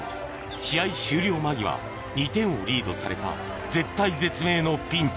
試合終了間際、２点をリードされた絶体絶命のピンチ。